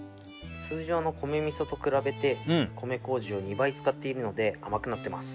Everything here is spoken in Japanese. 通常の米味噌と比べて米こうじを２倍使っているので甘くなってます